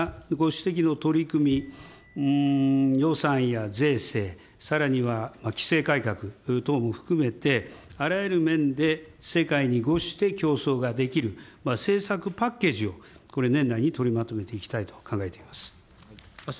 ご指摘の取り組み、予算や税制、さらには規制改革等も含めて、あらゆる面で世界にごして競争ができる、政策パッケージをこれ、年内に取りまとめていきたいと考えております。